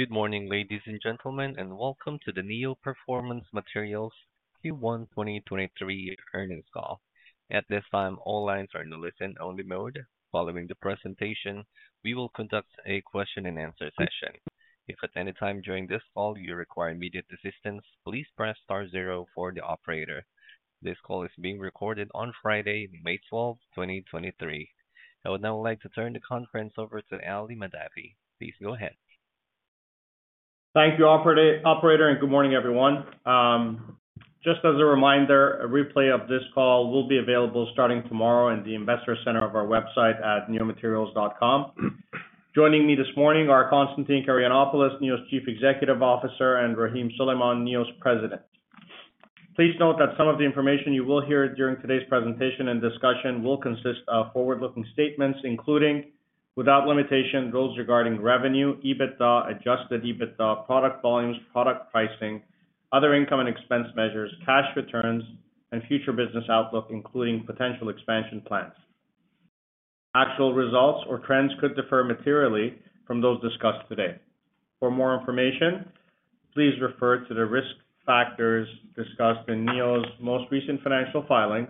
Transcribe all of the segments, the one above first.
Good morning, ladies and gentlemen, and welcome to the Neo Performance Materials Q1 2023 earnings call. At this time, all lines are in listen-only mode. Following the presentation, we will conduct a question-and-answer session. If at any time during this call you require immediate assistance, please press star 0 for the operator. This call is being recorded on Friday, May 12, 2023. I would now like to turn the conference over to Ali Mahdavi. Please go ahead. Thank you, operator. Good morning, everyone. Just as a reminder, a replay of this call will be available starting tomorrow in the investor center of our website at neomaterials.com. Joining me this morning are Constantine Karayannopoulos, Neo's Chief Executive Officer, and Rahim Suleman, Neo's President. Please note that some of the information you will hear during today's presentation and discussion will consist of forward-looking statements, including, without limitation, those regarding revenue, EBITDA, adjusted EBITDA, product volumes, product pricing, other income and expense measures, cash returns, and future business outlook, including potential expansion plans. Actual results or trends could differ materially from those discussed today. For more information, please refer to the risk factors discussed in Neo's most recent financial filings,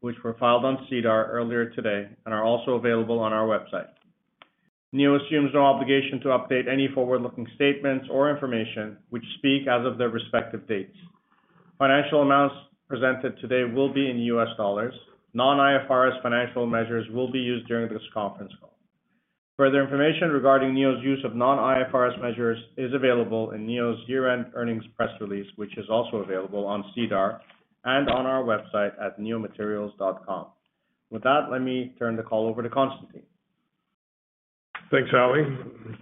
which were filed on SEDAR earlier today and are also available on our website. Neo assumes no obligation to update any forward-looking statements or information which speak as of their respective dates. Financial amounts presented today will be in US dollars. Non-IFRS financial measures will be used during this conference call. Further information regarding Neo's use of non-IFRS measures is available in Neo's year-end earnings press release, which is also available on SEDAR and on our website at neomaterials.com. With that, let me turn the call over to Constantine. Thanks, Ali.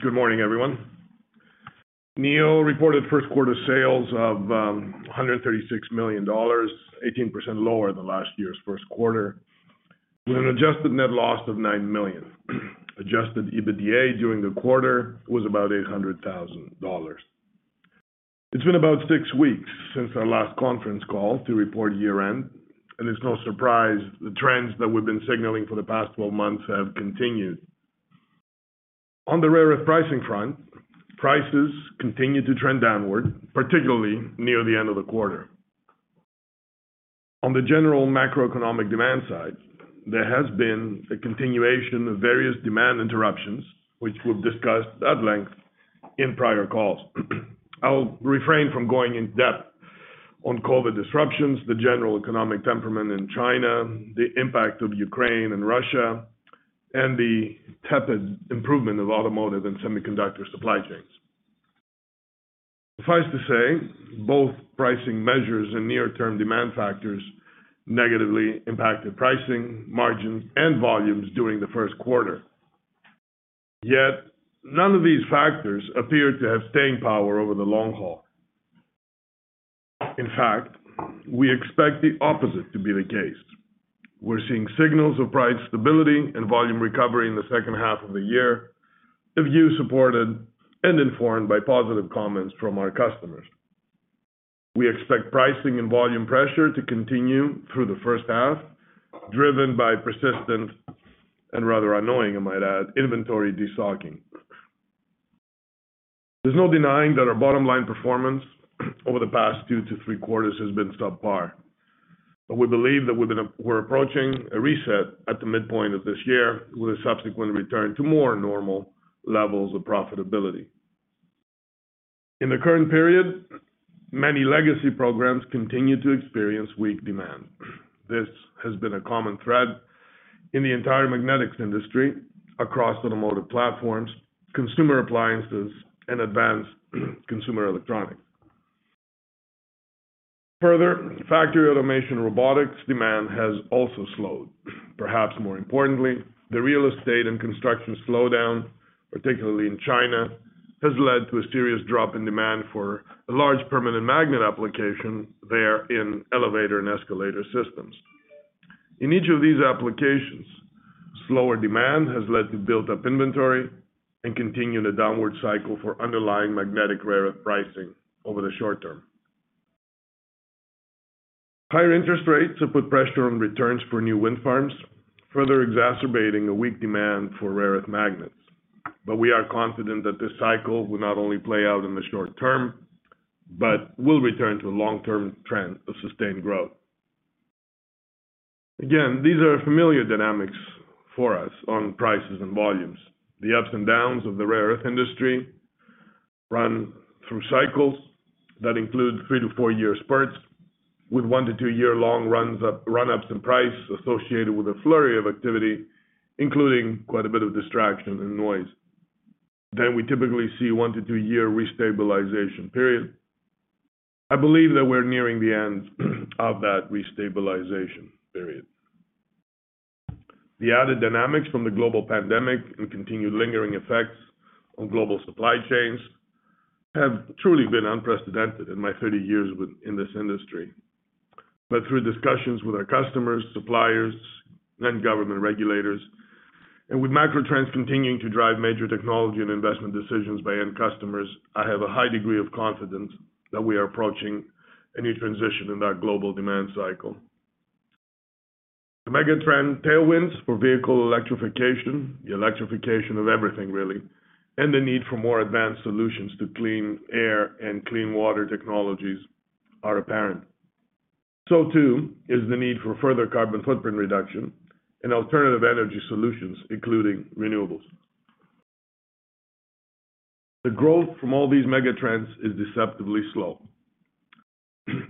Good morning, everyone. Neo reported first quarter sales of $136 million, 18% lower than last year's first quarter, with an adjusted net loss of $9 million. Adjusted EBITDA during the quarter was about $800,000. It's been about 6 weeks since our last conference call to report year-end. It's no surprise the trends that we've been signaling for the past 12 months have continued. On the rare earth pricing front, prices continued to trend downward, particularly near the end of the quarter. On the general macroeconomic demand side, there has been a continuation of various demand interruptions, which we've discussed at length in prior calls. I'll refrain from going in depth on COVID disruptions, the general economic temperament in China, the impact of Ukraine and Russia, and the tepid improvement of automotive and semiconductor supply chains. Suffice to say, both pricing measures and near-term demand factors negatively impacted pricing, margins, and volumes during the first quarter. None of these factors appear to have staying power over the long haul. In fact, we expect the opposite to be the case. We're seeing signals of price stability and volume recovery in the second half of the year, a view supported and informed by positive comments from our customers. We expect pricing and volume pressure to continue through the first half, driven by persistent, and rather annoying I might add, inventory de-stocking. There's no denying that our bottom line performance over the past two to three quarters has been subpar. We believe that we're approaching a reset at the midpoint of this year with a subsequent return to more normal levels of profitability. In the current period, many legacy programs continue to experience weak demand. This has been a common thread in the entire magnetics industry across automotive platforms, consumer appliances, and advanced consumer electronics. Further, factory automation robotics demand has also slowed. Perhaps more importantly, the real estate and construction slowdown, particularly in China, has led to a serious drop in demand for a large permanent magnet application there in elevator and escalator systems. In each of these applications, slower demand has led to built-up inventory and continued a downward cycle for underlying magnetic rare earth pricing over the short term. Higher interest rates have put pressure on returns for new wind farms, further exacerbating a weak demand for rare earth magnets. We are confident that this cycle will not only play out in the short term, but will return to a long-term trend of sustained growth. Again, these are familiar dynamics for us on prices and volumes. The ups and downs of the rare earth industry run through cycles that include 3 to 4-year spurts, with 1 to 2 year long runups in price associated with a flurry of activity, including quite a bit of distraction and noise. We typically see 1 to 2 year restabilization period. I believe that we're nearing the end of that restabilization period. The added dynamics from the global pandemic and continued lingering effects on global supply chains have truly been unprecedented in my 30 years in this industry. Through discussions with our customers, suppliers, and government regulators, and with macro trends continuing to drive major technology and investment decisions by end customers, I have a high degree of confidence that we are approaching a new transition in that global demand cycle. The megatrend tailwinds for vehicle electrification, the electrification of everything really, and the need for more advanced solutions to clean air and clean water technologies are apparent. Too is the need for further carbon footprint reduction and alternative energy solutions, including renewables. The growth from all these megatrends is deceptively slow.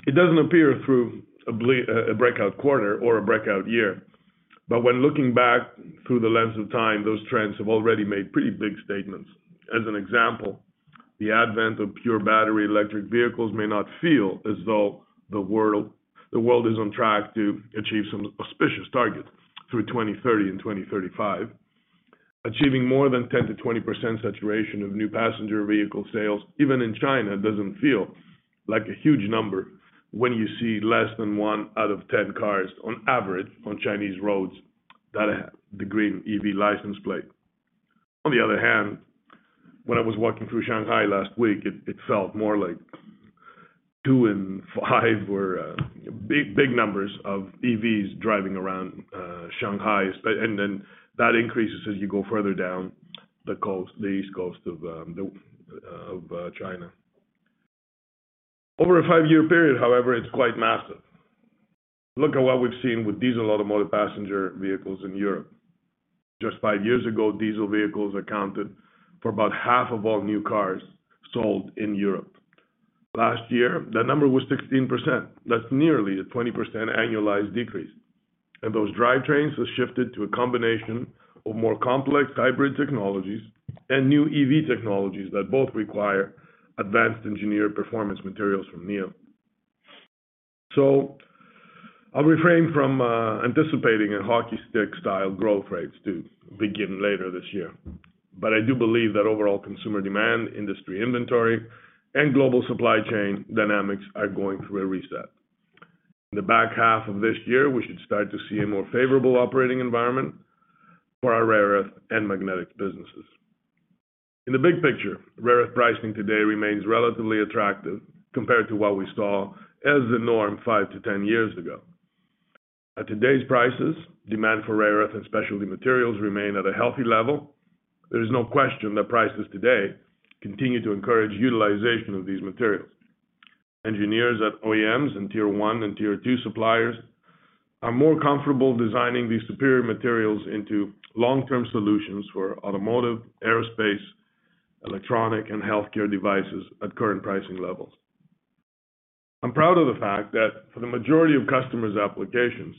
It doesn't appear through a breakout quarter or a breakout year. When looking back through the lens of time, those trends have already made pretty big statements. As an example, the advent of pure battery electric vehicles may not feel as though the world is on track to achieve some auspicious targets through 2030 and 2035. Achieving more than 10%-20% saturation of new passenger vehicle sales, even in China, doesn't feel like a huge number when you see less than 1 out of 10 cars on average on Chinese roads that have the green EV license plate. On the other hand, when I was walking through Shanghai last week, it felt more like 2 and 5 were big numbers of EVs driving around Shanghai. That increases as you go further down the coast, the east coast of the of China. Over a 5-year period, however, it's quite massive. Look at what we've seen with diesel automotive passenger vehicles in Europe. Just five years ago, diesel vehicles accounted for about half of all new cars sold in Europe. Last year, that number was 16%. That's nearly a 20% annualized decrease. Those drivetrains have shifted to a combination of more complex hybrid technologies and new EV technologies that both require advanced engineered performance materials from Neo. I'll refrain from anticipating a hockey stick style growth rates to begin later this year. I do believe that overall consumer demand, industry inventory, and global supply chain dynamics are going through a reset. In the back half of this year, we should start to see a more favorable operating environment for our rare earth and magnetic businesses. In the big picture, rare earth pricing today remains relatively attractive compared to what we saw as the norm five to 10 years ago. At today's prices, demand for rare earth and specialty materials remain at a healthy level. There is no question that prices today continue to encourage utilization of these materials. Engineers at OEMs and Tier 1 and Tier 2 suppliers are more comfortable designing these superior materials into long-term solutions for automotive, aerospace, electronic, and healthcare devices at current pricing levels. I'm proud of the fact that for the majority of customers' applications,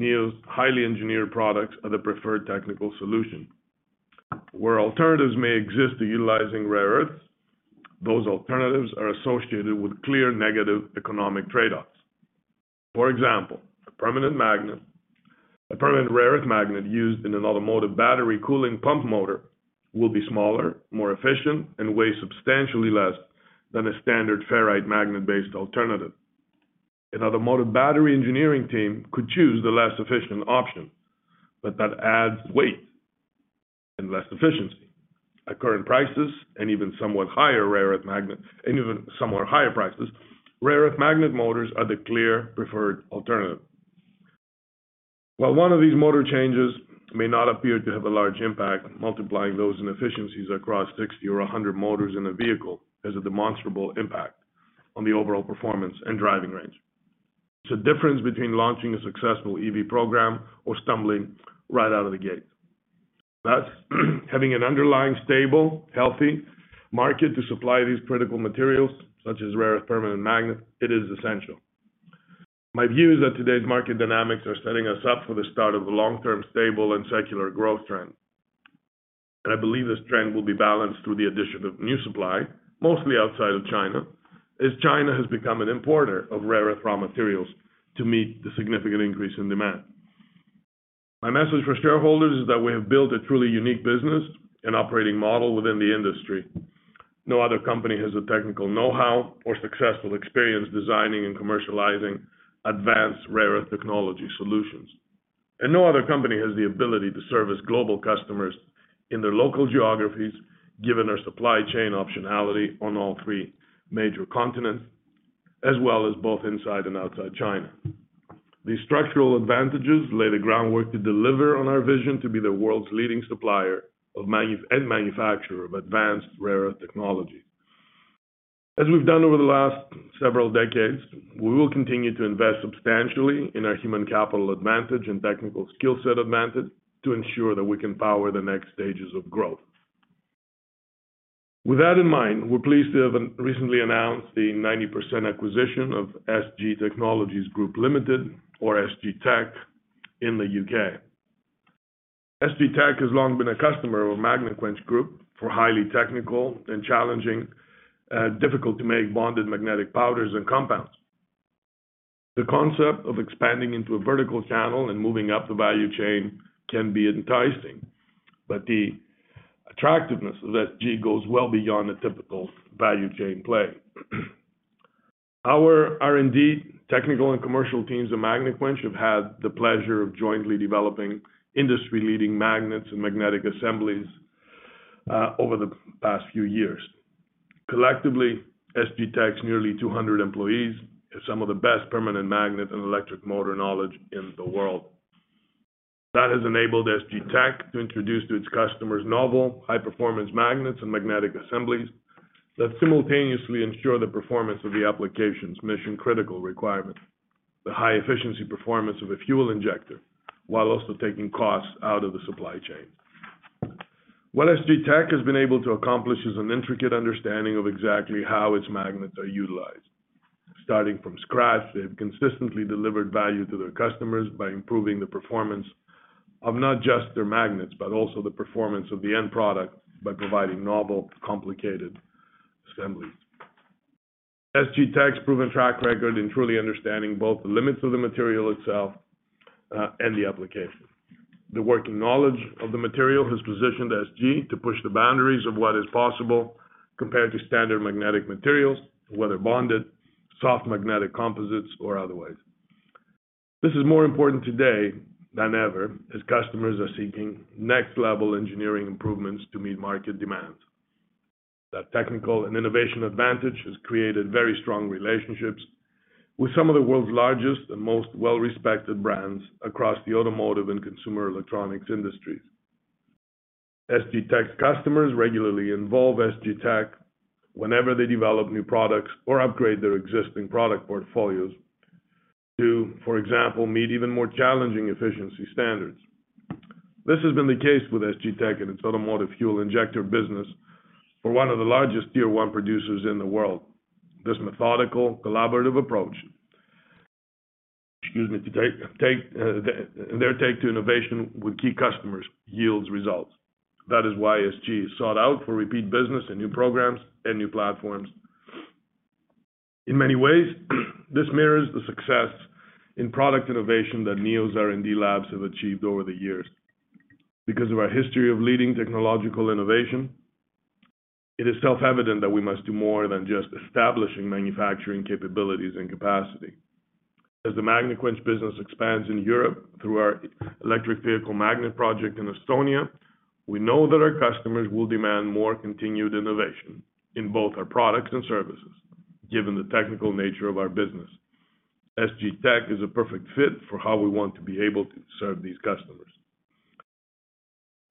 Neo's highly engineered products are the preferred technical solution. Where alternatives may exist to utilizing rare earths, those alternatives are associated with clear negative economic trade-offs. For example, a permanent rare earth magnet used in an automotive battery cooling pump motor will be smaller, more efficient, and weigh substantially less than a standard ferrite magnet-based alternative. An automotive battery engineering team could choose the less efficient option. That adds weight and less efficiency. At current prices, and even somewhat higher prices, rare earth magnet motors are the clear preferred alternative. While one of these motor changes may not appear to have a large impact, multiplying those inefficiencies across 60 or 100 motors in a vehicle has a demonstrable impact on the overall performance and driving range. It's the difference between launching a successful EV program or stumbling right out of the gate. Thus, having an underlying stable, healthy market to supply these critical materials, such as rare earth permanent magnets, it is essential. My view is that today's market dynamics are setting us up for the start of a long-term, stable, and secular growth trend, and I believe this trend will be balanced through the addition of new supply, mostly outside of China, as China has become an importer of rare earth raw materials to meet the significant increase in demand. My message for shareholders is that we have built a truly unique business and operating model within the industry. No other company has the technical know-how or successful experience designing and commercializing advanced rare earth technology solutions. No other company has the ability to service global customers in their local geographies, given our supply chain optionality on all three major continents, as well as both inside and outside China. These structural advantages lay the groundwork to deliver on our vision to be the world's leading supplier of and manufacturer of advanced rare earth technology. As we've done over the last several decades, we will continue to invest substantially in our human capital advantage and technical skill set advantage to ensure that we can power the next stages of growth. With that in mind, we're pleased to have recently announced the 90% acquisition of SG Technologies Group Limited, or SG Tech, in the U.K. SG Tech has long been a customer of Magnequench for highly technical and challenging difficult-to-make bonded magnetic powders and compounds. The concept of expanding into a vertical channel and moving up the value chain can be enticing, but the attractiveness of SG goes well beyond a typical value chain play. Our R&D, technical, and commercial teams at Magnequench have had the pleasure of jointly developing industry-leading magnets and magnetic assemblies, over the past few years. Collectively, SG Tech's nearly 200 employees is some of the best permanent magnet and electric motor knowledge in the world. That has enabled SG Tech to introduce to its customers novel, high-performance magnets and magnetic assemblies that simultaneously ensure the performance of the application's mission-critical requirement, the high efficiency performance of a fuel injector, while also taking costs out of the supply chain. What SG Tech has been able to accomplish is an intricate understanding of exactly how its magnets are utilized. Starting from scratch, they've consistently delivered value to their customers by improving the performance of not just their magnets, but also the performance of the end product by providing novel, complicated assemblies. SG Tech's proven track record in truly understanding both the limits of the material itself and the application. The working knowledge of the material has positioned SG to push the boundaries of what is possible compared to standard magnetic materials, whether bonded, soft magnetic composites or otherwise. This is more important today than ever, as customers are seeking next-level engineering improvements to meet market demands. That technical and innovation advantage has created very strong relationships with some of the world's largest and most well-respected brands across the automotive and consumer electronics industries. SG Tech's customers regularly involve SG Tech whenever they develop new products or upgrade their existing product portfolios to, for example, meet even more challenging efficiency standards. This has been the case with SG Tech and its automotive fuel injector business for one of the largest Tier 1 producers in the world. This methodical, collaborative approach, excuse me, to take their take to innovation with key customers yields results. That is why SG is sought out for repeat business and new programs and new platforms. In many ways, this mirrors the success in product innovation that Neo's R&D labs have achieved over the years. Because of our history of leading technological innovation, it is self-evident that we must do more than just establishing manufacturing capabilities and capacity. As the Magnequench business expands in Europe through our electric vehicle magnet project in Estonia, we know that our customers will demand more continued innovation in both our products and services, given the technical nature of our business. SG Tech is a perfect fit for how we want to be able to serve these customers.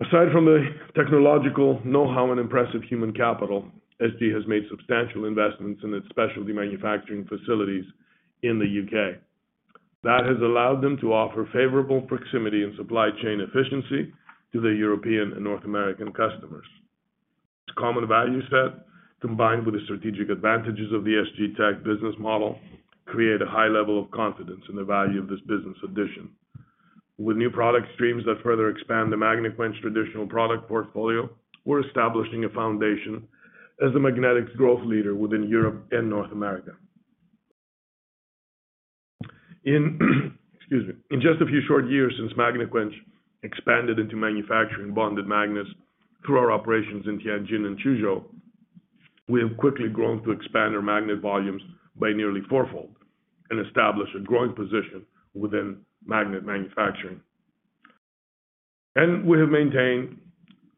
Aside from the technological know-how and impressive human capital, SG has made substantial investments in its specialty manufacturing facilities in the U.K. That has allowed them to offer favorable proximity and supply chain efficiency to their European and North American customers. Its common value set, combined with the strategic advantages of the SG Tech business model, create a high level of confidence in the value of this business addition. With new product streams that further expand the Magnequench traditional product portfolio, we're establishing a foundation as the magnetics growth leader within Europe and North America. Excuse me, in just a few short years since Magnequench expanded into manufacturing bonded magnets through our operations in Tianjin and Suzhou, we have quickly grown to expand our magnet volumes by nearly four-fold and establish a growing position within magnet manufacturing. We have maintained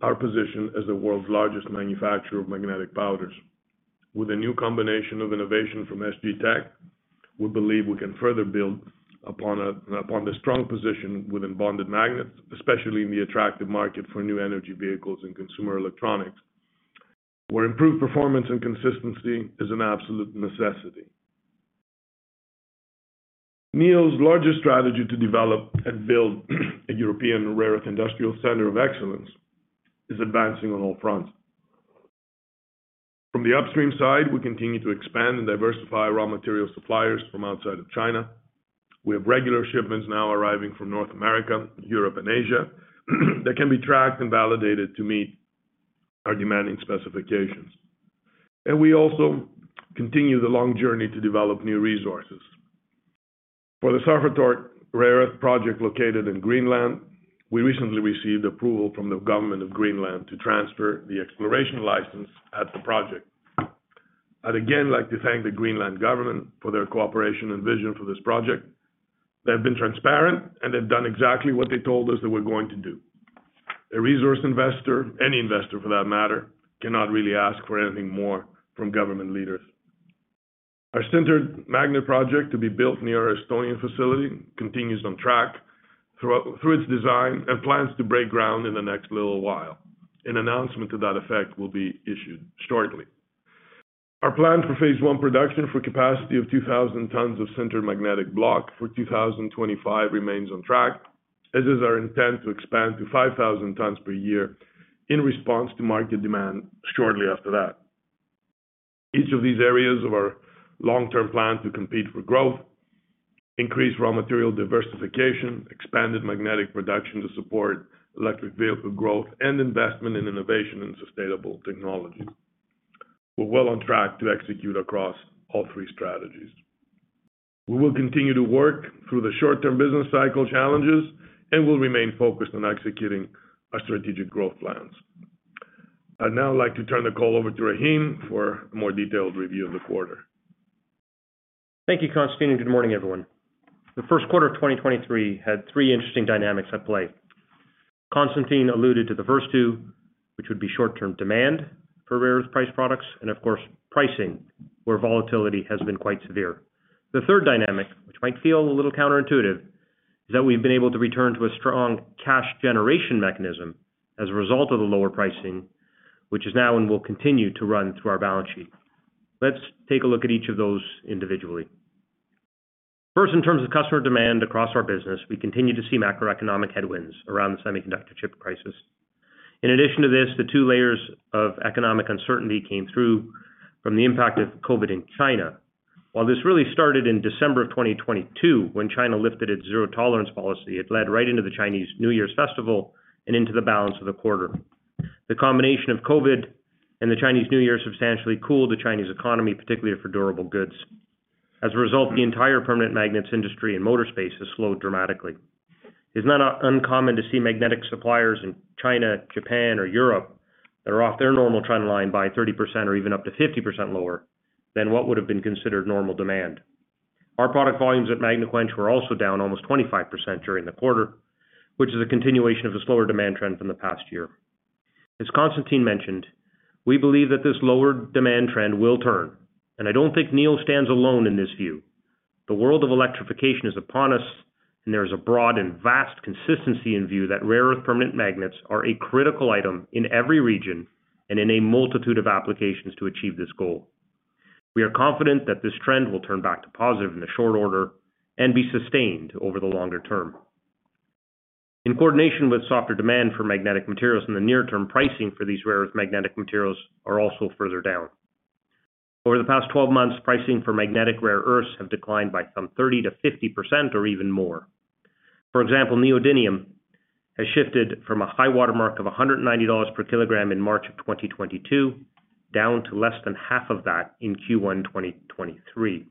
our position as the world's largest manufacturer of magnetic powders. With a new combination of innovation from SG Tech, we believe we can further build upon the strong position within bonded magnets, especially in the attractive market for new energy vehicles and consumer electronics, where improved performance and consistency is an absolute necessity. Neo's largest strategy to develop and build a European rare earth industrial center of excellence is advancing on all fronts. From the upstream side, we continue to expand and diversify raw material suppliers from outside of China. We have regular shipments now arriving from North America, Europe, and Asia that can be tracked and validated to meet our demanding specifications. We also continue the long journey to develop new resources. For the Sarfartoq rare earth project located in Greenland, we recently received approval from the government of Greenland to transfer the exploration license at the project. I'd again like to thank the Greenland government for their cooperation and vision for this project. They have been transparent. They've done exactly what they told us they were going to do. A resource investor, any investor for that matter, cannot really ask for anything more from government leaders. Our sintered magnet project to be built near our Estonian facility continues on track through its design and plans to break ground in the next little while. An announcement to that effect will be issued shortly. Our plan for phase 1 production for capacity of 2,000 tons of sintered magnetic block for 2025 remains on track, as is our intent to expand to 5,000 tons per year in response to market demand shortly after that. Each of these areas of our long-term plan to compete for growth increase raw material diversification, expanded magnetic production to support electric vehicle growth, and investment in innovation and sustainable technology. We're well on track to execute across all three strategies. We will continue to work through the short-term business cycle challenges and will remain focused on executing our strategic growth plans. I'd now like to turn the call over to Rahim for a more detailed review of the quarter. Thank you, Constantine. Good morning, everyone. The first quarter of 2023 had three interesting dynamics at play. Constantine alluded to the first two, which would be short-term demand for rare earth price products and of course pricing, where volatility has been quite severe. The third dynamic, which might feel a little counterintuitive, is that we've been able to return to a strong cash generation mechanism as a result of the lower pricing, which is now and will continue to run through our balance sheet. Let's take a look at each of those individually. First, in terms of customer demand across our business, we continue to see macroeconomic headwinds around the semiconductor chip crisis. In addition to this, the two layers of economic uncertainty came through from the impact of COVID in China. While this really started in December of 2022, when China lifted its zero-tolerance policy, it led right into the Chinese New Year's festival and into the balance of the quarter. The combination of COVID and the Chinese New Year substantially cooled the Chinese economy, particularly for durable goods. As a result, the entire permanent magnets industry and motor space has slowed dramatically. It's not uncommon to see magnetic suppliers in China, Japan, or Europe that are off their normal trend line by 30% or even up to 50% lower than what would have been considered normal demand. Our product volumes at Magnequench were also down almost 25% during the quarter, which is a continuation of a slower demand trend from the past year. As Constantine mentioned, we believe that this lower demand trend will turn. I don't think Neo stands alone in this view. The world of electrification is upon us, and there is a broad and vast consistency in view that rare earth permanent magnets are a critical item in every region and in a multitude of applications to achieve this goal. We are confident that this trend will turn back to positive in the short order and be sustained over the longer term. In coordination with softer demand for magnetic materials in the near term, pricing for these rare earth magnetic materials are also further down. Over the past 12 months, pricing for magnetic rare earths have declined by some 30%-50% or even more. For example, neodymium has shifted from a high water mark of $190 per kilogram in March of 2022 down to less than half of that in Q1 2023,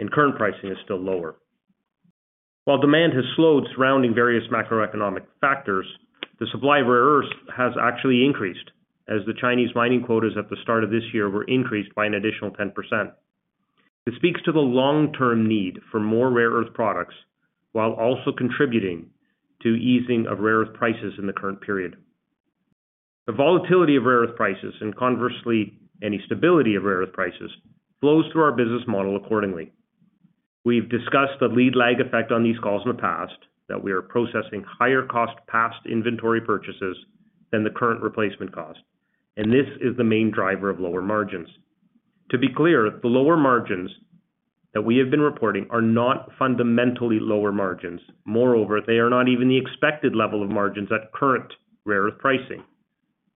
and current pricing is still lower. While demand has slowed surrounding various macroeconomic factors, the supply of rare earths has actually increased as the Chinese mining quotas at the start of this year were increased by an additional 10%. This speaks to the long-term need for more rare earth products while also contributing to easing of rare earth prices in the current period. The volatility of rare earth prices, and conversely, any stability of rare earth prices, flows through our business model accordingly. We've discussed the lead-lag effect on these calls in the past, that we are processing higher cost past inventory purchases than the current replacement cost, and this is the main driver of lower margins. To be clear, the lower margins that we have been reporting are not fundamentally lower margins. Moreover, they are not even the expected level of margins at current rare earth pricing.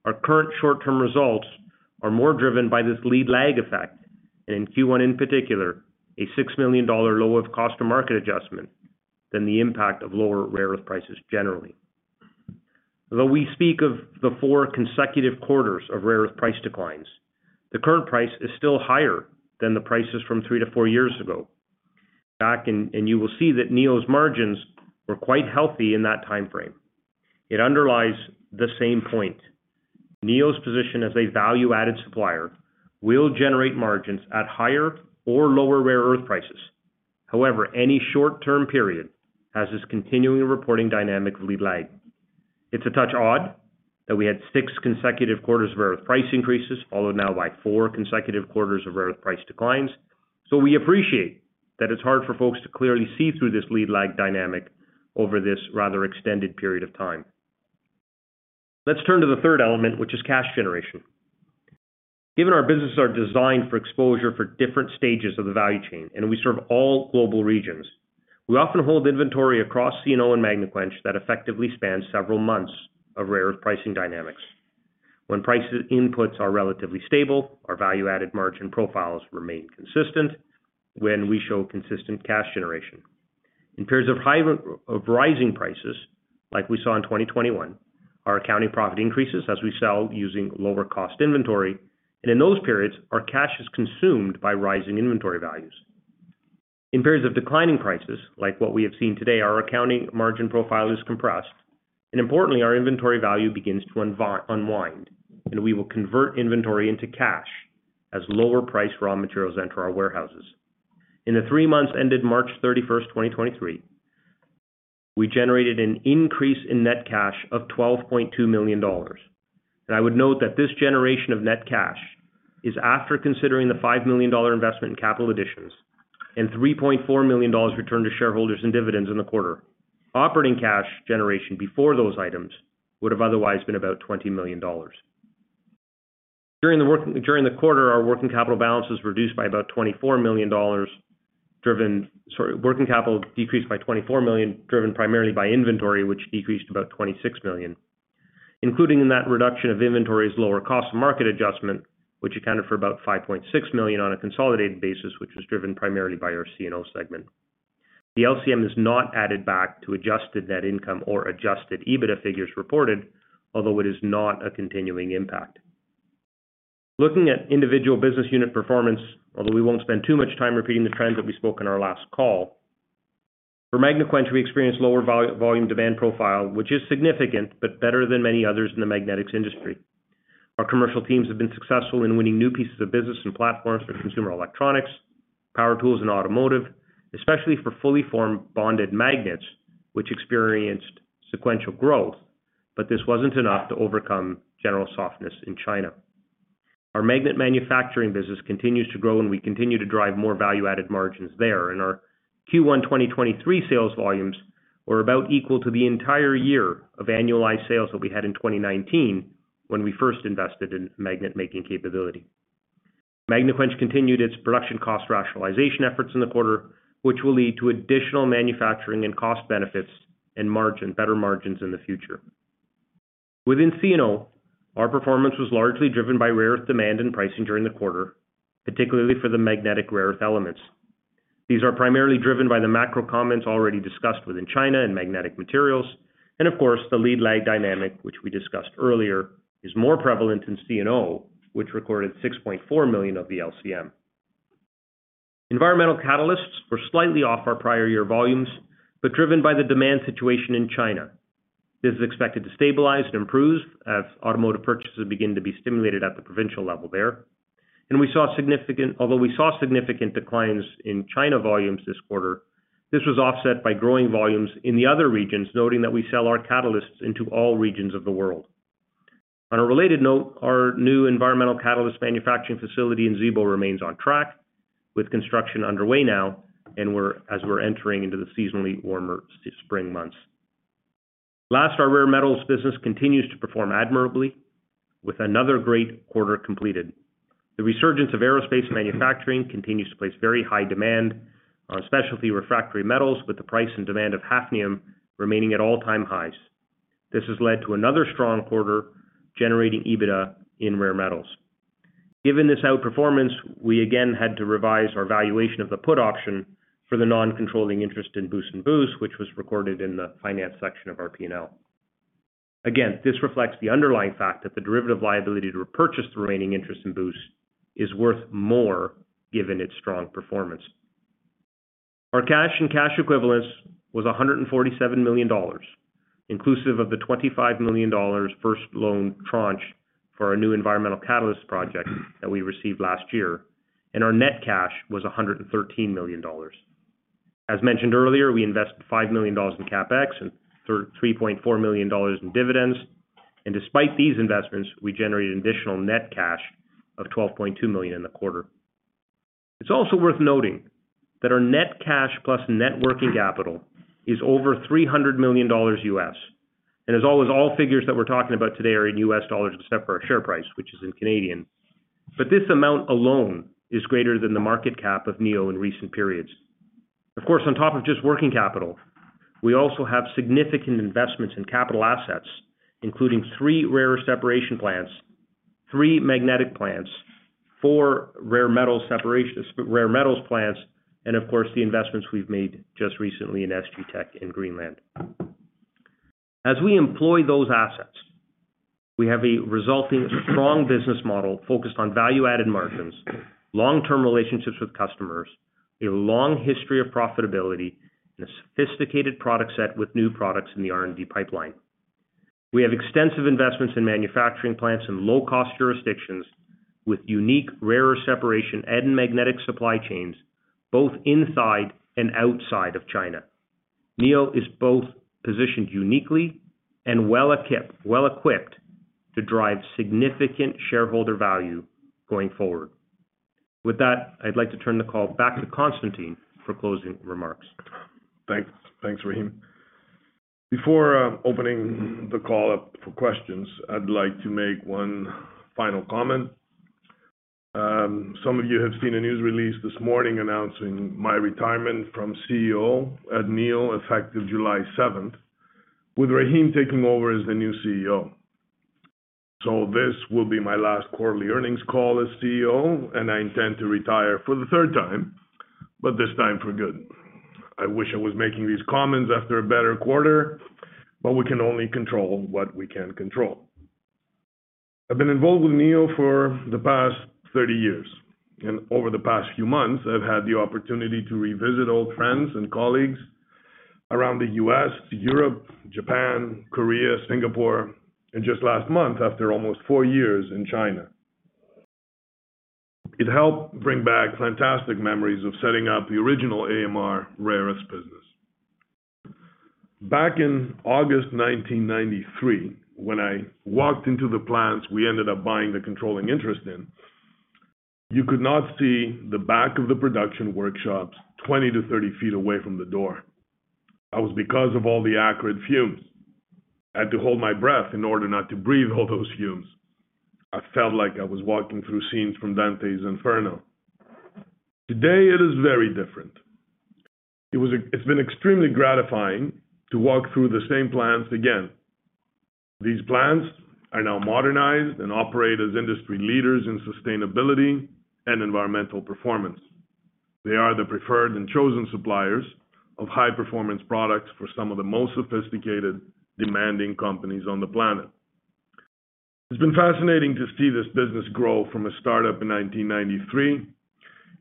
Our current short-term results are more driven by this lead-lag effect, and in Q1 in particular, a $6 million lower of cost or market adjustment than the impact of lower rare earth prices generally. We speak of the 4 consecutive quarters of rare earth price declines, the current price is still higher than the prices from 3 to 4 years ago. You will see that Neo's margins were quite healthy in that time frame. It underlies the same point. Neo's position as a value-added supplier will generate margins at higher or lower rare earth prices. Any short-term period has this continuing reporting dynamic of lead-lag. It's a touch odd that we had 6 consecutive quarters of rare earth price increases, followed now by 4 consecutive quarters of rare earth price declines. We appreciate that it's hard for folks to clearly see through this lead-lag effect over this rather extended period of time. Let's turn to the third element, which is cash generation. Given our businesses are designed for exposure for different stages of the value chain, and we serve all global regions, we often hold inventory across C&O and Magnequench that effectively spans several months of rare earth pricing dynamics. When prices inputs are relatively stable, our value-added margin profiles remain consistent when we show consistent cash generation. In periods of rising prices, like we saw in 2021, our accounting profit increases as we sell using lower cost inventory. In those periods, our cash is consumed by rising inventory values. In periods of declining prices, like what we have seen today, our accounting margin profile is compressed, and importantly, our inventory value begins to unwind, and we will convert inventory into cash as lower priced raw materials enter our warehouses. In the three months ended March 31st, 2023, we generated an increase in net cash of $12.2 million. I would note that this generation of net cash is after considering the $5 million investment in capital additions and $3.4 million returned to shareholders and dividends in the quarter. Operating cash generation before those items would have otherwise been about $20 million. During the quarter, our working capital balance was reduced by about $24 million, sorry, working capital decreased by $24 million, driven primarily by inventory, which decreased about $26 million, including in that reduction of inventory's lower cost of market adjustment, which accounted for about $5.6 million on a consolidated basis, which was driven primarily by our C&O segment. The LCM is not added back to adjusted net income or adjusted EBITDA figures reported, although it is not a continuing impact. Looking at individual business unit performance, although we won't spend too much time repeating the trends that we spoke in our last call. For Magnequench, we experienced lower volume demand profile, which is significant, but better than many others in the magnetics industry. Our commercial teams have been successful in winning new pieces of business and platforms for consumer electronics, power tools, and automotive, especially for fully formed bonded magnets, which experienced sequential growth. This wasn't enough to overcome general softness in China. Our magnet manufacturing business continues to grow. We continue to drive more value-added margins there. Our Q1 2023 sales volumes were about equal to the entire year of annualized sales that we had in 2019 when we first invested in magnet-making capability. Magnequench continued its production cost rationalization efforts in the quarter, which will lead to additional manufacturing and cost benefits and better margins in the future. Within C&O, our performance was largely driven by rare earth demand and pricing during the quarter, particularly for the magnetic rare earth elements. These are primarily driven by the macro comments already discussed within China and magnetic materials. Of course, the lead-lag dynamic, which we discussed earlier, is more prevalent in C&O, which recorded $6.4 million of the LCM. Environmental catalysts were slightly off our prior year volumes, driven by the demand situation in China. This is expected to stabilize and improve as automotive purchases begin to be stimulated at the provincial level there. Although we saw significant declines in China volumes this quarter, this was offset by growing volumes in the other regions, noting that we sell our catalysts into all regions of the world. On a related note, our new environmental catalyst manufacturing facility in Zibo remains on track with construction underway now, as we're entering into the seasonally warmer spring months. Last, our rare metals business continues to perform admirably with another great quarter completed. The resurgence of aerospace manufacturing continues to place very high demand on specialty refractory metals, with the price and demand of hafnium remaining at all-time highs. This has led to another strong quarter generating EBITDA in rare metals. Given this outperformance, we again had to revise our valuation of the put option for the non-controlling interest in Goudi-Boast, which was recorded in the finance section of our P&L. Again, this reflects the underlying fact that the derivative liability to repurchase the remaining interest in Goudi-Boast is worth more given its strong performance. Our cash and cash equivalents was $147 million, inclusive of the $25 million first loan tranche for our new environmental catalyst project that we received last year, and our net cash was $113 million. As mentioned earlier, we invested $5 million in CapEx and $3.4 million in dividends. Despite these investments, we generated additional net cash of $12.2 million in the quarter. It's also worth noting that our net cash plus net working capital is over $300 million. As always, all figures that we're talking about today are in US dollars except for our share price, which is in Canadian. This amount alone is greater than the market cap of Neo in recent periods. Of course, on top of just working capital, we also have significant investments in capital assets, including three rare earth separation plants, three magnetic plants, four rare metals plants, and of course, the investments we've made just recently in SG Tech in Greenland. As we employ those assets, we have a resulting strong business model focused on value-added margins, long-term relationships with customers, a long history of profitability, and a sophisticated product set with new products in the R&D pipeline. We have extensive investments in manufacturing plants in low-cost jurisdictions with unique rare separation and magnetic supply chains both inside and outside of China. Neo is both positioned uniquely and well-equipped to drive significant shareholder value going forward. With that, I'd like to turn the call back to Constantine for closing remarks. Thanks. Thanks, Rahim. Before opening the call up for questions, I'd like to make one final comment. Some of you have seen a news release this morning announcing my retirement from CEO at Neo, effective July seventh, with Rahim taking over as the new CEO. This will be my last quarterly earnings call as CEO, and I intend to retire for the third time, but this time for good. I wish I was making these comments after a better quarter, we can only control what we can control. I've been involved with Neo for the past 30 years, and over the past few months, I've had the opportunity to revisit old friends and colleagues around the U.S., Europe, Japan, Korea, Singapore, and just last month, after almost four years, in China. It helped bring back fantastic memories of setting up the original AMR rare earths business. Back in August 1993, when I walked into the plants we ended up buying the controlling interest in, you could not see the back of the production workshops 20 to 30 feet away from the door. That was because of all the acrid fumes. I had to hold my breath in order not to breathe all those fumes. I felt like I was walking through scenes from Dante's Inferno. Today it is very different. It's been extremely gratifying to walk through the same plants again. These plants are now modernized and operate as industry leaders in sustainability and environmental performance. They are the preferred and chosen suppliers of high-performance products for some of the most sophisticated, demanding companies on the planet. It's been fascinating to see this business grow from a startup in 1993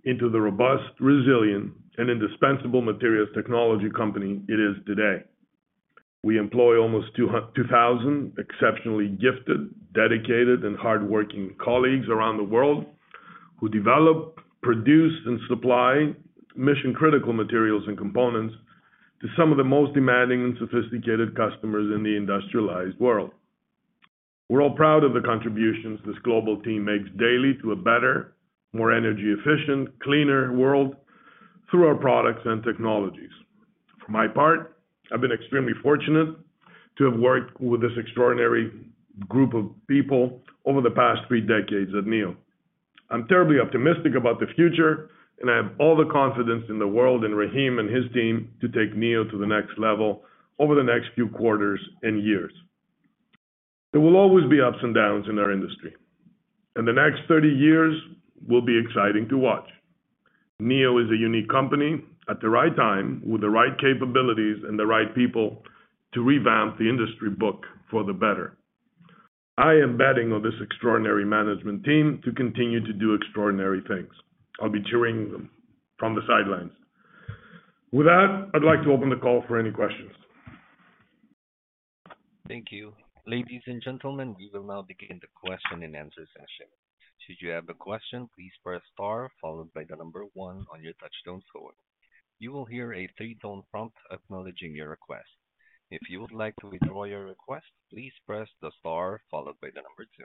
into the robust, resilient, and indispensable materials technology company it is today. We employ almost 2,000 exceptionally gifted, dedicated, and hardworking colleagues around the world who develop, produce, and supply mission-critical materials and components to some of the most demanding and sophisticated customers in the industrialized world. We're all proud of the contributions this global team makes daily to a better, more energy efficient, cleaner world through our products and technologies. For my part, I've been extremely fortunate to have worked with this extraordinary group of people over the past 3 decades at Neo. I'm terribly optimistic about the future, and I have all the confidence in the world in Rahim and his team to take Neo to the next level over the next few quarters and years. There will always be ups and downs in our industry. The next 30 years will be exciting to watch. Neo is a unique company at the right time, with the right capabilities and the right people to revamp the industry book for the better. I am betting on this extraordinary management team to continue to do extraordinary things. I'll be cheering them from the sidelines. With that, I'd like to open the call for any questions. Thank you. Ladies and gentlemen, we will now begin the question and answer session. Should you have a question, please press star followed by the number one on your touchtone phone. You will hear a three-tone prompt acknowledging your request. If you would like to withdraw your request, please press the star followed by the number two.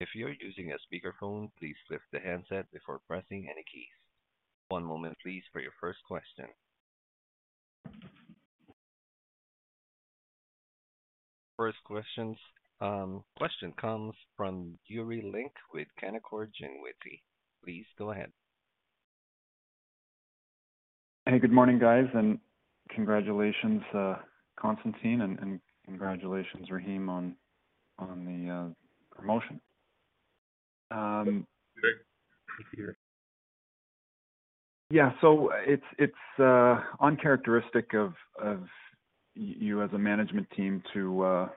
If you're using a speakerphone, please lift the handset before pressing any keys. One moment please for your first question. First question comes from Yuri Lynk with Canaccord Genuity. Please go ahead. Hey, good morning, guys, and congratulations, Constantine, congratulations, Rahim, on the promotion. Good. Thank you. It's uncharacteristic of you as a management team to,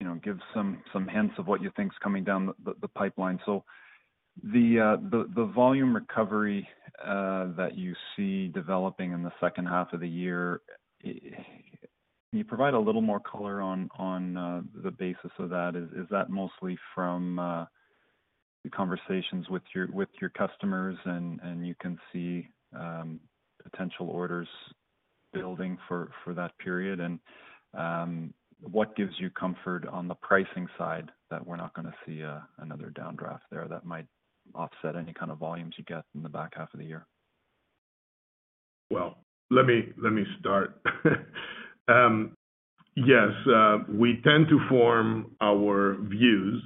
you know, give some hints of what you think is coming down the pipeline. The volume recovery that you see developing in the second half of the year, can you provide a little more color on the basis of that? Is that mostly from conversations with your customers and you can see potential orders building for that period? What gives you comfort on the pricing side that we're not gonna see another downdraft there that might offset any kind of volumes you get in the back half of the year? Well, let me start. Yes. We tend to form our views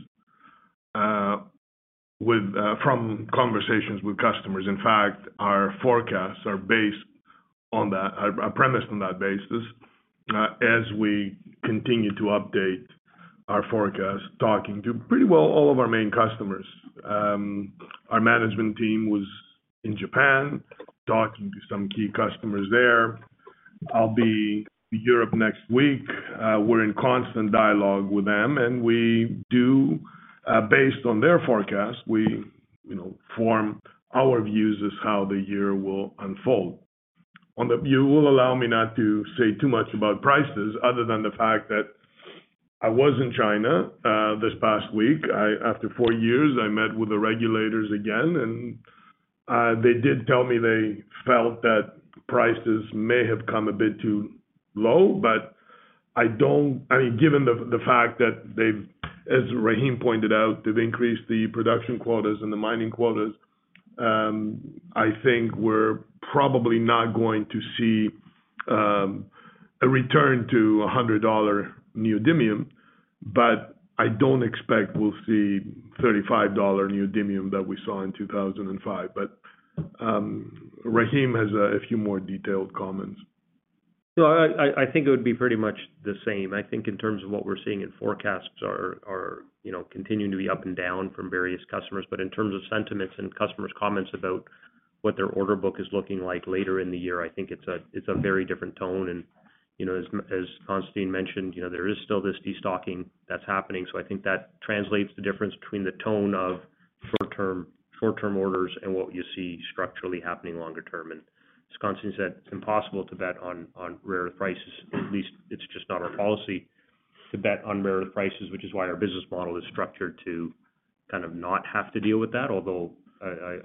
with from conversations with customers. In fact, our forecasts are premised on that basis as we continue to update our forecast, talking to pretty well all of our main customers. Our management team was in Japan talking to some key customers there. I'll be in Europe next week. We're in constant dialogue with them, and we do, based on their forecast, we, you know, form our views as how the year will unfold. You will allow me not to say too much about prices other than the fact that I was in China this past week. After four years, I met with the regulators again, and they did tell me they felt that prices may have come a bit too low, but I don't I mean, given the fact that they've, as Rahim pointed out, they've increased the production quotas and the mining quotas, I think we're probably not going to see a return to $100 neodymium, but I don't expect we'll see $35 neodymium that we saw in 2005. Rahim has a few more detailed comments. I think it would be pretty much the same. I think in terms of what we're seeing in forecasts are, you know, continuing to be up and down from various customers. In terms of sentiments and customers' comments about what their order book is looking like later in the year, I think it's a very different tone. You know, as Constantine mentioned, you know, there is still this destocking that's happening. I think that translates the difference between the tone of short-term orders and what you see structurally happening longer term. As Constantine said, it's impossible to bet on rare prices. At least it's just not our policy to bet on rare earth prices, which is why our business model is structured to kind of not have to deal with that. Although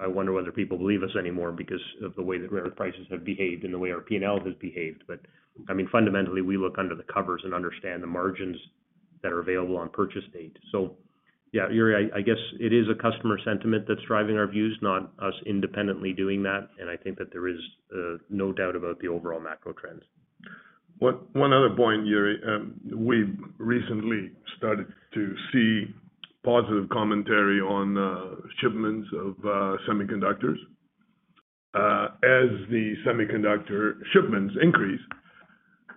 I wonder whether people believe us anymore because of the way that rare prices have behaved and the way our P&L has behaved. I mean, fundamentally, we look under the covers and understand the margins that are available on purchase date. Yeah, Yuri, I guess it is a customer sentiment that's driving our views, not us independently doing that, and I think that there is no doubt about the overall macro trends. One other point, Yuri. We've recently started to see positive commentary on shipments of semiconductors. As the semiconductor shipments increase,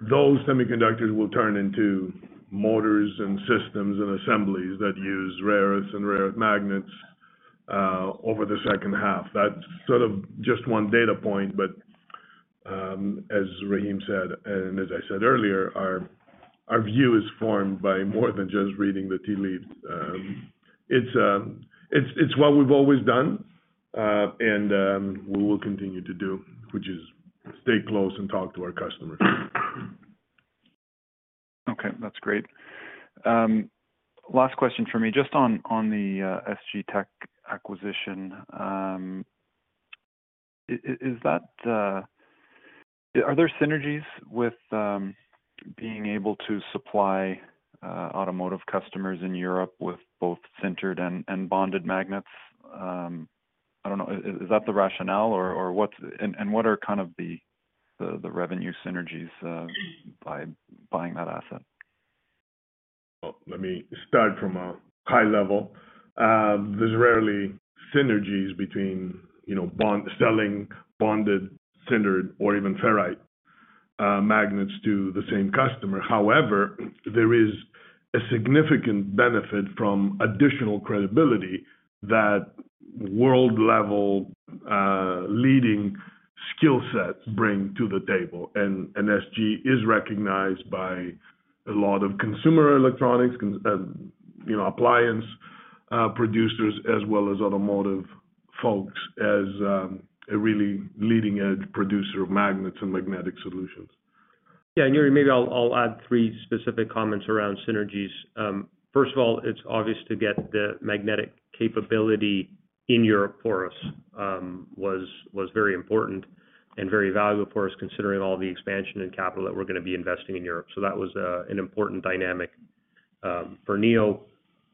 those semiconductors will turn into motors and systems and assemblies that use rare earths and rare earth magnets over the second half. That's sort of just one data point. As Rahim said, and as I said earlier, our view is formed by more than just reading the tea leaves. It's what we've always done, and we will continue to do, which is stay close and talk to our customers. Okay. That's great. Last question for me, just on the SG Tech acquisition. Are there synergies with being able to supply automotive customers in Europe with both sintered and bonded magnets? I don't know, is that the rationale or what's? What are kind of the revenue synergies by buying that asset? Well, let me start from a high level. There's rarely synergies between, you know, selling bonded, sintered or even ferrite magnets to the same customer. However, there is a significant benefit from additional credibility that world-level leading skill sets bring to the table. SG is recognized by a lot of consumer electronics, you know, appliance producers as well as automotive folks as a really leading-edge producer of magnets and magnetic solutions. Yeah, Yuri, maybe I'll add three specific comments around synergies. First of all, it's obvious to get the magnetic capability in Europe for us, was very important and very valuable for us, considering all the expansion and capital that we're gonna be investing in Europe. That was an important dynamic for Neo.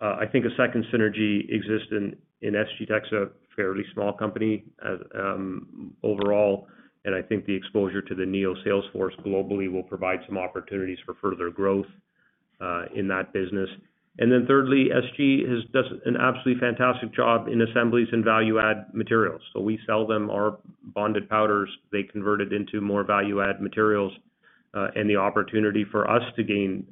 I think a second synergy exists in SG Tech, it's a fairly small company overall, I think the exposure to the Neo sales force globally will provide some opportunities for further growth in that business. Thirdly, SG has done an absolutely fantastic job in assemblies and value-add materials. We sell them our bonded powders, they convert it into more value-add materials, and the opportunity for us to gain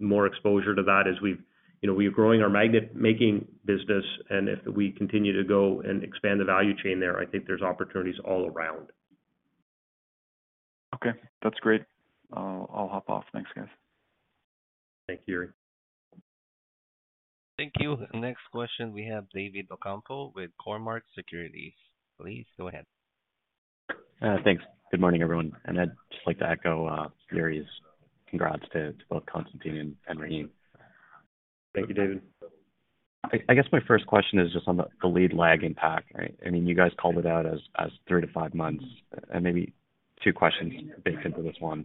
more exposure to that as we've, you know, we're growing our magnet-making business, and if we continue to go and expand the value chain there, I think there's opportunities all around. Okay. That's great. I'll hop off. Thanks, guys. Thank you, Yuri. Thank you. Next question, we have David Ocampo with Cormark Securities. Please go ahead. Thanks. Good morning, everyone. I'd just like to echo, Yuri's congrats to both Constantine and Rahim. Thank you, David. I guess my first question is just on the lead-lag effect impact, right? I mean, you guys called it out as three to five months, and maybe two questions baked into this one.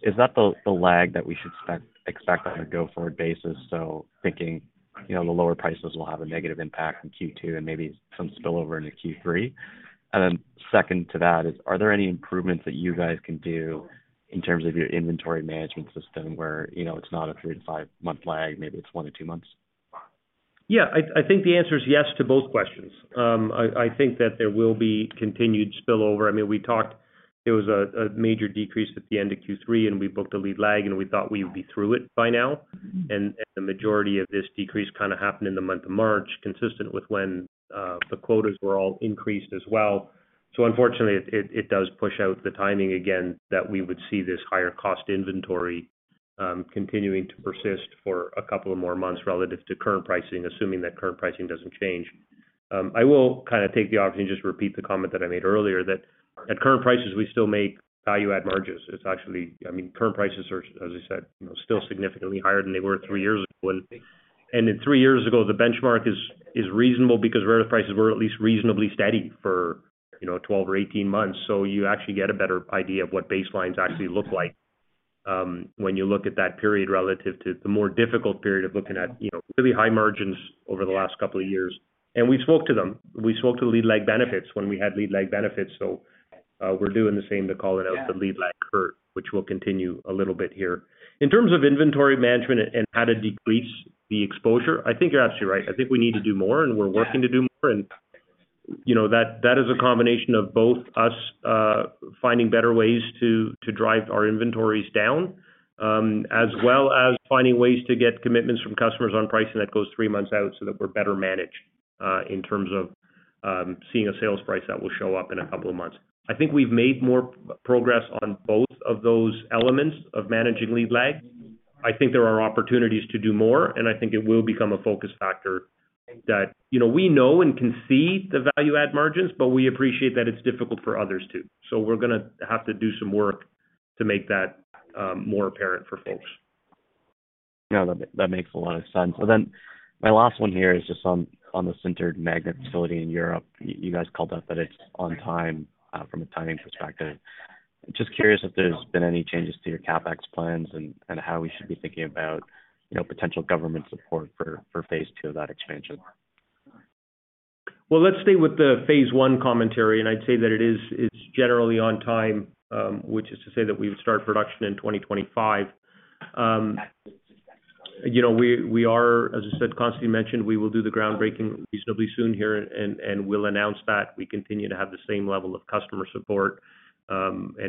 Is that the lag that we should expect on a go-forward basis, so thinking, you know, the lower prices will have a negative impact in Q2 and maybe some spillover into Q3? Second to that is, are there any improvements that you guys can do in terms of your inventory management system where, you know, it's not a three to five-month lag, maybe it's one to two months? Yeah. I think the answer is yes to both questions. I think that there will be continued spillover. I mean, we talked, there was a major decrease at the end of Q3, and we booked a lead-lag effect, and we thought we would be through it by now. The majority of this decrease kinda happened in the month of March, consistent with when the quotas were all increased as well. Unfortunately, it, it does push out the timing again that we would see this higher cost inventory continuing to persist for a couple of more months relative to current pricing, assuming that current pricing doesn't change. I will kind of take the opportunity to just repeat the comment that I made earlier that at current prices, we still make value add margins. It's actually, I mean, current prices are, as I said, you know, still significantly higher than they were 3 years ago. 3 years ago, the benchmark is reasonable because rare earth prices were at least reasonably steady for, you know, 12 or 18 months. You actually get a better idea of what baselines actually look like when you look at that period relative to the more difficult period of looking at, you know, really high margins over the last couple of years. We spoke to them. We spoke to lead-lag effect benefits when we had lead-lag effect benefits. We're doing the same to call it out the lead-lag effect curve, which will continue a little bit here. In terms of inventory management and how to decrease the exposure, I think you're absolutely right. I think we need to do more, we're working to do more. You know, that is a combination of both us finding better ways to drive our inventories down, as well as finding ways to get commitments from customers on pricing that goes 3 months out so that we're better managed in terms of seeing a sales price that will show up in a couple of months. I think we've made more progress on both of those elements of managing lead-lag effect. I think there are opportunities to do more, I think it will become a focus factor that, you know, we know and can see the value add margins, but we appreciate that it's difficult for others too. We're gonna have to do some work to make that more apparent for folks. Yeah. That makes a lot of sense. My last one here is just on the sintered magnet facility in Europe. You guys called out that it's on time from a timing perspective. Just curious if there's been any changes to your CapEx plans and how we should be thinking about, you know, potential government support for phase two of that expansion. Let's stay with the phase one commentary, I'd say that it is, it's generally on time, which is to say that we would start production in 2025. You know, we are, as I said, Constantine mentioned, we will do the groundbreaking reasonably soon here and we'll announce that. We continue to have the same level of customer support.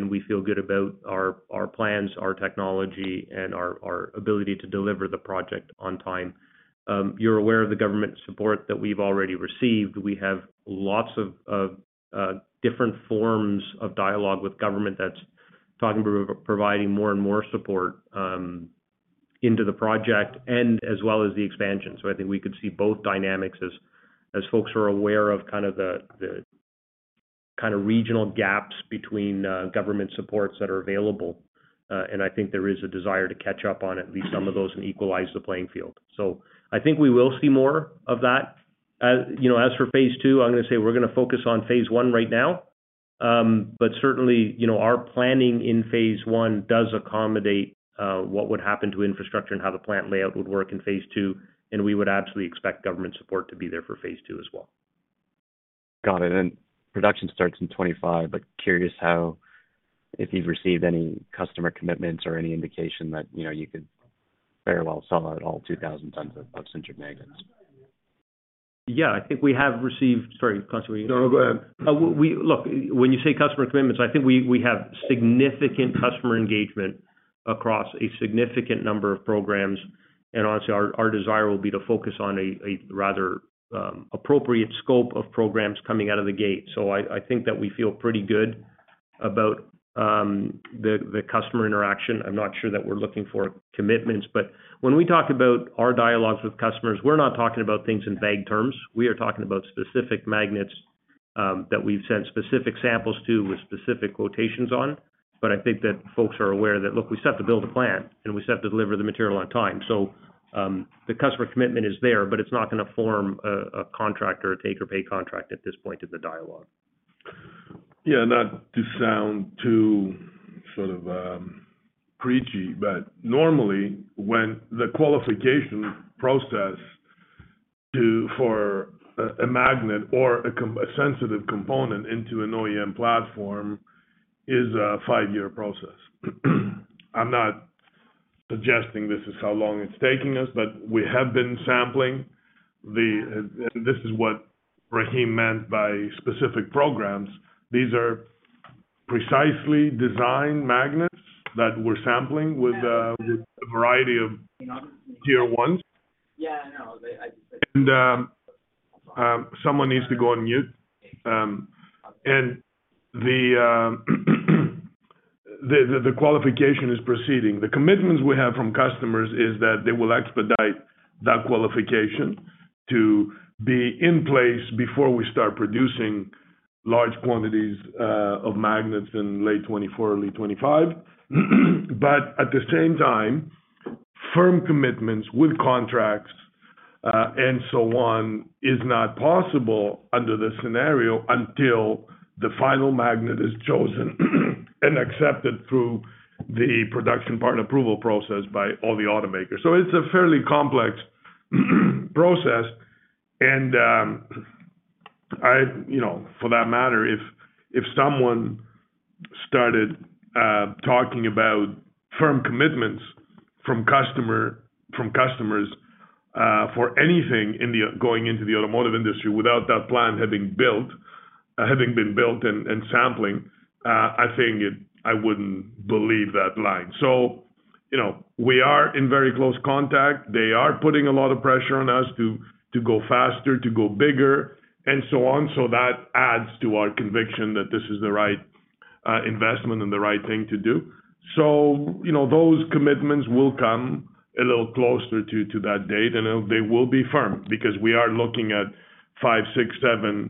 We feel good about our plans, our technology, and our ability to deliver the project on time. You're aware of the government support that we've already received. We have lots of different forms of dialogue with government that's talking about providing more and more support into the project and as well as the expansion. I think we could see both dynamics as folks are aware of the kind of regional gaps between government supports that are available. I think there is a desire to catch up on at least some of those and equalize the playing field. I think we will see more of that. As you know, as for phase two, I'm gonna say we're gonna focus on phase one right now. Certainly, you know, our planning in phase one does accommodate what would happen to infrastructure and how the plant layout would work in phase two, and we would absolutely expect government support to be there for phase two as well. Got it. Production starts in 2025, but curious how if you've received any customer commitments or any indication that, you know, you could very well sell out all 2,000 tons of sintered magnets. Yeah. I think we have received... Sorry, Constantine. No, no, go ahead. Look, when you say customer commitments, I think we have significant customer engagement across a significant number of programs. Honestly, our desire will be to focus on a rather appropriate scope of programs coming out of the gate. I think that we feel pretty good about the customer interaction. I'm not sure that we're looking for commitments. When we talk about our dialogues with customers, we're not talking about things in vague terms. We are talking about specific magnets that we've sent specific samples to with specific quotations on. I think that folks are aware that, look, we still have to build a plant, and we still have to deliver the material on time. The customer commitment is there, but it's not gonna form a contract or a take or pay contract at this point of the dialogue. Yeah. Not to sound too sort of preachy, but normally when the qualification process to, for a magnet or a sensitive component into an OEM platform is a five-year process. I'm not suggesting this is how long it's taking us, but we have been sampling the. This is what Rahim meant by specific programs. These are precisely designed magnets that we're sampling with a variety of Tier 1s. Yeah, I know. Someone needs to go on mute. The qualification is proceeding. The commitments we have from customers is that they will expedite that qualification to be in place before we start producing large quantities of magnets in late 2024, early 2025. At the same time, firm commitments with contracts and so on is not possible under this scenario until the final magnet is chosen and accepted through the production part approval process by all the automakers. It's a fairly complex process and, you know, for that matter, if someone started talking about firm commitments from customers for anything going into the automotive industry without that plant having been built and sampling, I wouldn't believe that line. You know, we are in very close contact. They are putting a lot of pressure on us to go faster, to go bigger, and so on. That adds to our conviction that this is the right investment and the right thing to do. You know, those commitments will come a little closer to that date, and they will be firm because we are looking at five, six, seven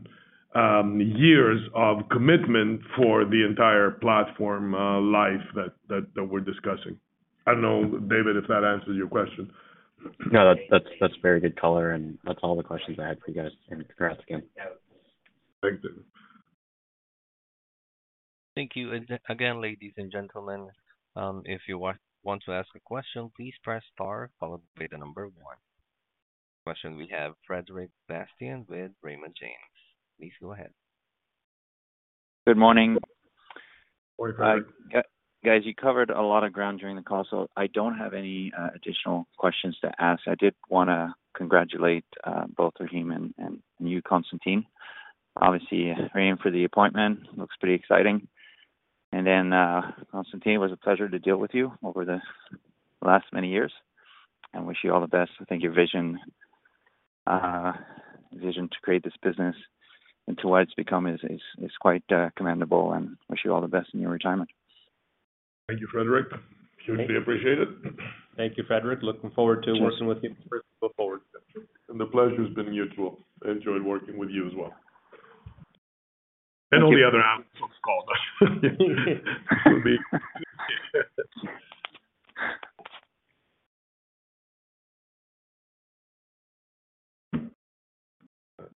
years of commitment for the entire platform life that we're discussing. I don't know, David, if that answers your question. No, that's very good color. That's all the questions I had for you guys. Congrats again. Thank you. Thank you. Again, ladies and gentlemen, if you want to ask a question, please press star followed by 1. Question we have Frederic Bastien with Raymond James. Please go ahead. Good morning. Morning, Frederic. guys, you covered a lot of ground during the call, so I don't have any additional questions to ask. I did wanna congratulate both Rahim and you, Constantine. Obviously, Rahim for the appointment. Looks pretty exciting. Then, Constantine, it was a pleasure to deal with you over the last many years. I wish you all the best. I think your vision to create this business into what it's become is quite commendable. Wish you all the best in your retirement. Thank you, Frederic. Hugely appreciate it. Thank you, Frederic. Looking forward to working with you. Looking forward. The pleasure has been mutual. I enjoyed working with you as well. All the other.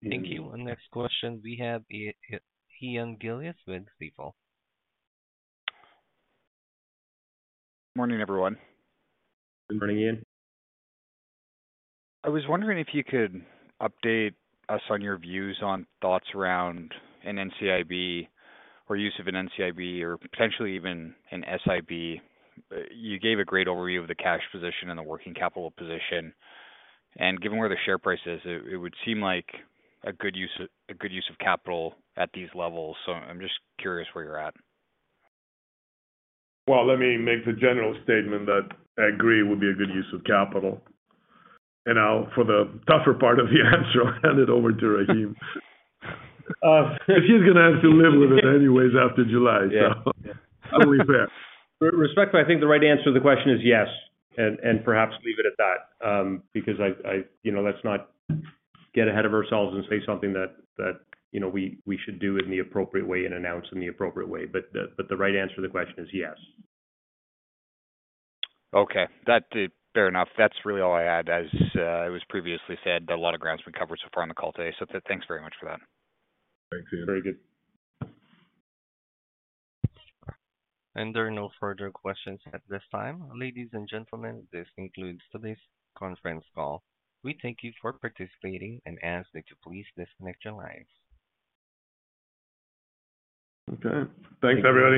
Thank you. Our next question we have Ian Gillies with Stifel. Morning, everyone. Good morning, Ian. I was wondering if you could update us on your views on thoughts around an NCIB or use of an NCIB or potentially even an SIB. You gave a great overview of the cash position and the working capital position, and given where the share price is, it would seem like a good use of capital at these levels. I'm just curious where you're at. Well, let me make the general statement that I agree it would be a good use of capital. For the tougher part of the answer, I'll hand it over to Rahim. He's gonna have to live with it anyways after July, only fair. Respectfully, I think the right answer to the question is yes, and perhaps leave it at that, because I've you know, let's not get ahead of ourselves and say something that you know, we should do in the appropriate way and announce in the appropriate way. The right answer to the question is yes. Okay. That, fair enough. That's really all I had. As, it was previously said, a lot of ground's been covered so far on the call today. Thanks very much for that. Thanks, Ian. Very good. There are no further questions at this time. Ladies and gentlemen, this concludes today's conference call. We thank you for participating and ask that you please disconnect your lines. Okay. Thanks, everyone.